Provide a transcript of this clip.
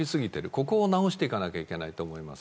ここを直していかないといけないと思います。